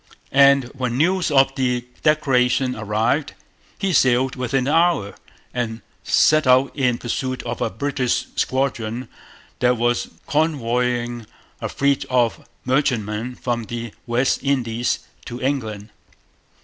And when news of the declaration arrived, he sailed within the hour, and set out in pursuit of a British squadron that was convoying a fleet of merchantmen from the West Indies to England.